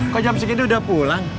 kok jam segini udah pulang